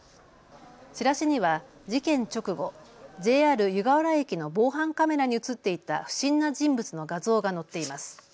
チラシには事件直後、ＪＲ湯河原駅の防犯カメラに写っていた不審な人物の画像が載っています。